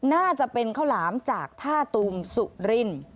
น่าจะเป็นข้าวหลามจากท่าตูมสุริน